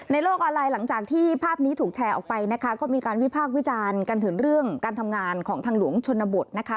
โลกออนไลน์หลังจากที่ภาพนี้ถูกแชร์ออกไปนะคะก็มีการวิพากษ์วิจารณ์กันถึงเรื่องการทำงานของทางหลวงชนบทนะคะ